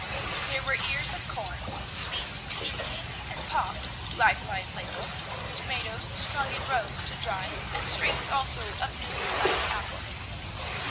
There were ears of corn, sweet, Indian, pop, likewise labelled; tomatoes, strung in rows to dry, and strings also of newly sliced apple.